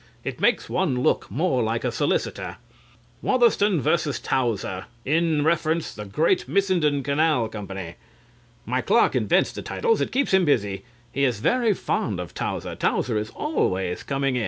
It makes one look more like a solicitor. (Reading the title) "Watherston v. Towser in re Great Missenden Canal Company." My clerk invents the titles; it keeps him busy. He is very fond of Towser; Towser is always coming in.